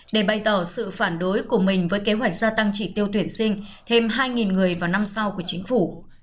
để bày tỏ sự phản đối của mình với kế hoạch gia tăng chỉ tiêu tuyển sinh thêm hai người vào năm sau của chính phủ